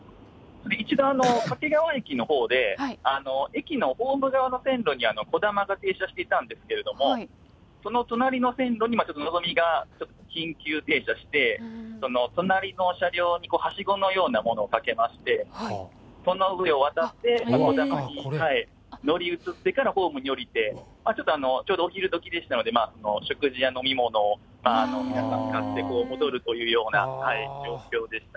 一度、掛川駅のほうで駅のホーム側の線路に、こだまが停車していたんですけれども、その隣の線路にちょっとのぞみが緊急停車して、隣の車両にはしごのようなものをかけまして、その上を渡ってこだまに乗り移ってからホームに降りて、ちょっとちょうどお昼どきでしたので、食事や飲み物を皆さん買って、戻るというような状況でした。